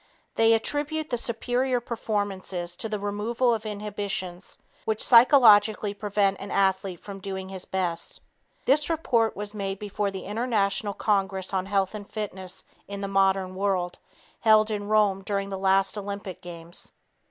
They attribute the superior performances to the removal of inhibitions, which psychologically prevent an athlete from doing his best. This report was made before the International Congress on Health and Fitness in the Modern World held in Rome during the last Olympic games.